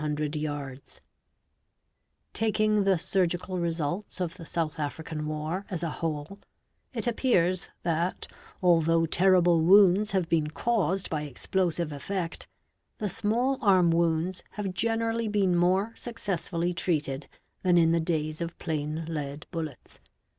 || "Taking the surgical results of the South African war, as a whole it appears that, although terrible wounds have been caused by explosiv effect, the small arm wounds have .generally been" more successfull treated than in the days of plain lead bullets.